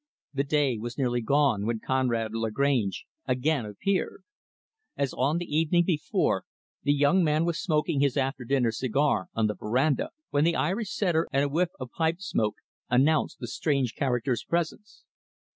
The day was nearly gone when Conrad Lagrange again appeared. As on the evening before, the young man was smoking his after dinner cigar on the veranda, when the Irish Setter and a whiff of pipe smoke announced the strange character's presence.